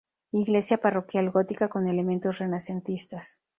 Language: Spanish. Iglesia parroquial gótica con elementos renacentistas.